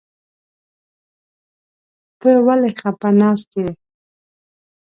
ته ولې خپه ناست يې ؟